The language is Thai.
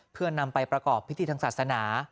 เพื่อนำไปประกอบพิธีทางศาสนา